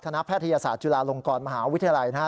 แพทยศาสตร์จุฬาลงกรมหาวิทยาลัยนะฮะ